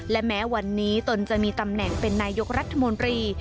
และแม้วันนี้ตนจะมีตำแหน่งเป็นนายกรัฐมนตรี